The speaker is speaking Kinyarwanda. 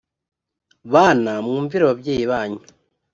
bana mwumvire ababyeyi banyu